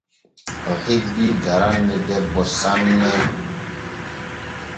O hebbii daranne debbo sanne.